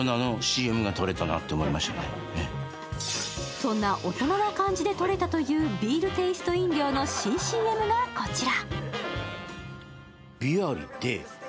そんな大人の感じで撮れたというビールテイスト飲料の新ＣＭがこちら。